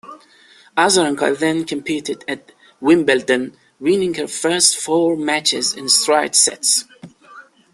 Azarenka then competed at Wimbledon, winning her first four matches in straight sets.